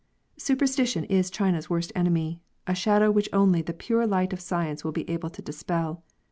Superstition is China's worst enemy — a shadow which only the pure light of science will be able to dispel.